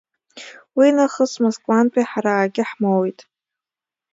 Уи нахыс Москвантәи ҳара акгьы ҳмоуит.